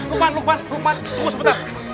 lukman lukman lukman lukman